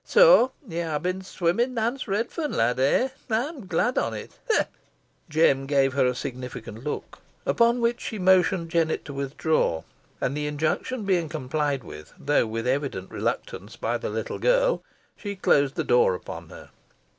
"So, ye ha been swimmin' Nance Redferne, lad, eh! Ey'm glad on it ha! ha!" Jem gave her a significant look, upon which she motioned Jennet to withdraw, and the injunction being complied with, though with evident reluctance, by the little girl, she closed the door upon her.